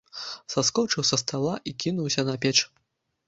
Саскочыў са стала і кінуўся на печ.